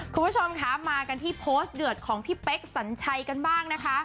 คุณผู้ชมคะมากันที่โพสต์เดือดของพี่เป๊กสัญชัยกันบ้างนะคะ